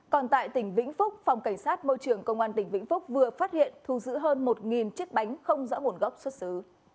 còn tại tỉnh vĩnh phúc phòng cảnh sát môi trường công an tỉnh vĩnh phúc vừa phát hiện thu giữ hơn một chiếc bánh không rõ nguồn gốc xuất xứ